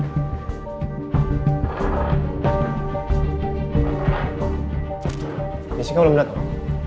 ya singkong belum datang